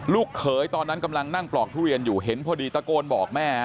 เขยตอนนั้นกำลังนั่งปลอกทุเรียนอยู่เห็นพอดีตะโกนบอกแม่